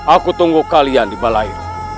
aku tunggu kalian di balai